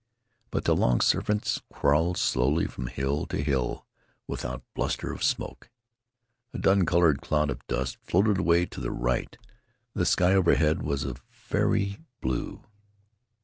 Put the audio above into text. But the long serpents crawled slowly from hill to hill without bluster of smoke. A dun colored cloud of dust floated away to the right. The sky overhead was of a fairy blue.